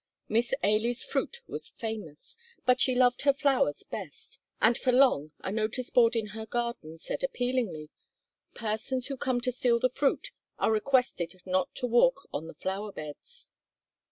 Miss Ailie's fruit was famous, but she loved her flowers best, and for long a notice board in her garden said, appealingly: "Persons who come to steal the fruit are requested not to walk on the flower beds."